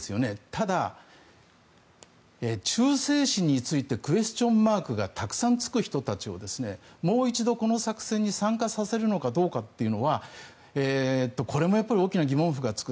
ただ、忠誠心についてクエスチョンマークがたくさんつく人たちをもう一度この作戦に参加させるのかどうかというのはこれもやっぱり大きな疑問符がつく。